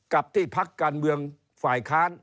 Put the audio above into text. กับที่พักการเมืองฝ่ายค้าน